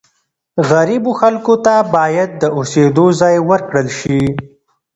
غریبو خلکو ته باید د اوسېدو ځای ورکړل سي.